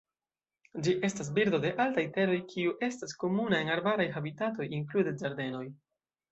Ĝi estas birdo de altaj teroj kiu estas komuna en arbaraj habitatoj, inklude ĝardenoj.